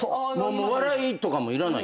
笑いとかもいらないよ